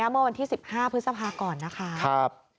เมื่อวันที่๑๕พฤษภาก่อนนะคะ